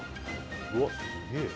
うわっすげえ。